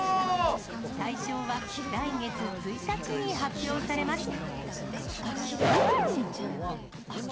大賞は来月１日に発表されます。